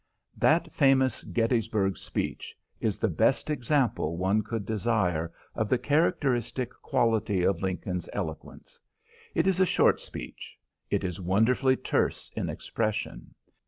That famous Gettysburg speech is the best example one could desire of the characteristic quality of Lincoln's eloquence. It is a short speech. It is wonderfully terse in expression.